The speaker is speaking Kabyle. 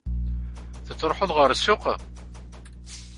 Tettruḥuḍ ɣer ssuq?